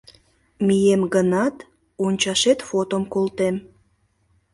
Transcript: Мием гынат, ончашет фотом колтем.